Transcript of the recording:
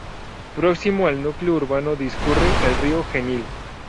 Próximo al núcleo urbano discurre el río Genil.